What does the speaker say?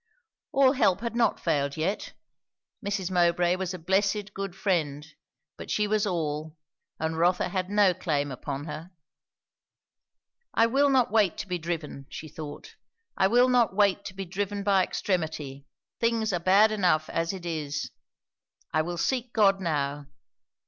All help had not failed yet; Mrs. Mowbray was a blessed good friend; but she was all, and Rotha had no claim upon her. I will not wait to be driven, she thought; I will not wait to be driven by extremity; things are bad enough as it is; I will seek God now.